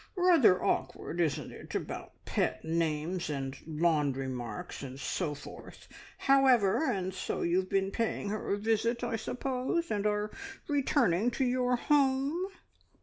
"Rather awkward, isn't it, about pet names, and laundry marks, and so forth? However. ... And so you've been paying her a visit, I suppose, and are returning to your home?"